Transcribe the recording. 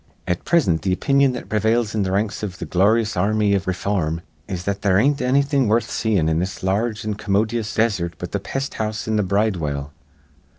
At prisint th' opinion that pre vails in th' ranks iv th' gloryous ar rmy iv ray form is that there ain't anny thing worth seein' in this lar rge an' commodyous desert but th' pest house an' the bridewell.